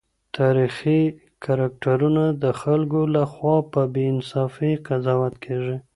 تاریخي کرکټرونه د خلګو له خوا په بې انصافۍ قضاوت کيږي.